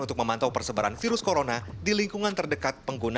untuk memantau persebaran virus corona di lingkungan terdekat pengguna